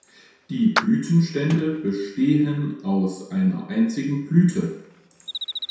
Die Blütenstände bestehen aus einer einzigen Blüte.